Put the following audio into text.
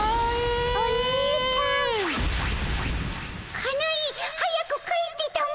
かなえ早く帰ってたも。